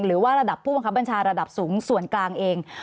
หรือว่าระดับผู้บังคับบัญชาระดับสูงส่วนกลางเอง